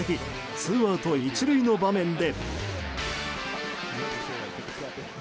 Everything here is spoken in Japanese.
ツーアウト１塁の場面で。